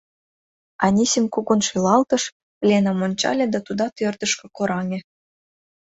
Анисим кугун шӱлалтыш, Ленам ончале да тудат ӧрдыжкӧ кораҥе.